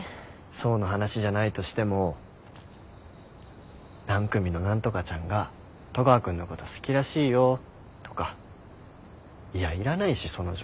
想の話じゃないとしても何組の何とかちゃんが戸川君のこと好きらしいよとかいやいらないしその情報。